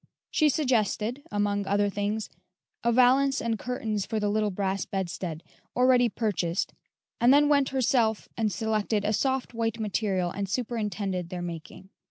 She suggested, among other things, a valance and curtains for the little brass bedstead, already purchased, and then went herself and selected a soft, white material and superintended their making.